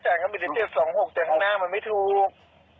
แต่เจ็บ๒๖จังงหน้ามันไม่ถูก